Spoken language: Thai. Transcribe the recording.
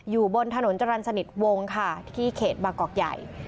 อยู่บนถนนจรรย์สนิทวงค่ะที่เขตบางกอกใหญ่